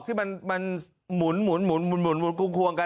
ที่มันหมุนควงกัน